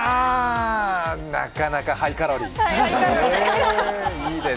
なかなかハイカロリー。